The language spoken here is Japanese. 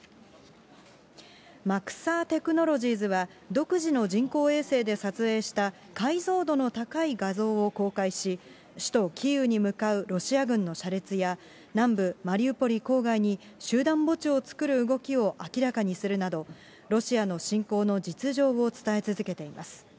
マクサー・テクノロジーズは独自の人工衛星で撮影した解像度の高い画像を公開し、首都キーウに向かうロシア軍の車列や、南部マリウポリ郊外に集団墓地を作る動きを明らかにするなど、ロシアの侵攻の実情を伝え続けています。